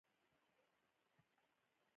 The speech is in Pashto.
زه تږي یم.